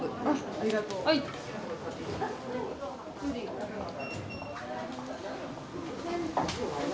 ありがとうございます。